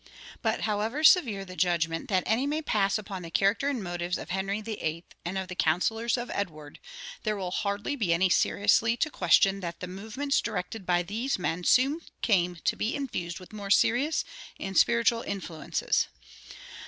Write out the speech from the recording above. But, however severe the judgment that any may pass upon the character and motives of Henry VIII. and of the councilors of Edward, there will hardly be any seriously to question that the movements directed by these men soon came to be infused with more serious and spiritual influences.